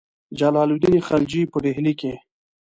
جلال الدین خلجي په ډهلي کې.